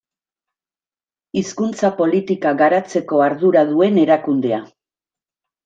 Hizkuntza politika garatzeko ardura duen erakundea.